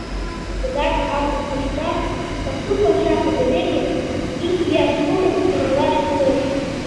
Садлан августыштак, пасу паша пытымеке, икияш нурым куралаш кӱлеш.